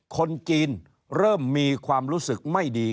คนจีนเริ่มมีความรู้สึกไม่ดี